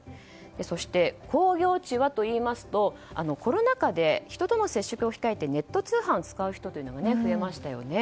そして、工業地はコロナ禍で人との接触を控えてネット通販を使う人が増えましたよね。